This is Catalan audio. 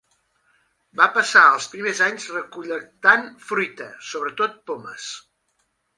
Va passar els primers anys recol·lectant fruita, sobretot pomes.